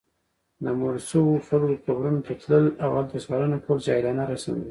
د مړو شوو خلکو قبرونو ته تلل، او هلته سوالونه کول جاهلانه رسم دی